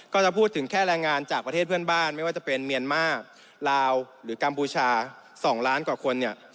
ก็จะพูดถึงแค่แรงงานจากประเทศเพื่อนบ้านไม่ว่าจะเป็นเมียนมาร์ลาวหรือกัมพูชา๒ล้านกว่าคนเนี่ย